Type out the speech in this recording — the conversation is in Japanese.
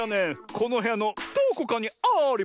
このへやのどこかにあります。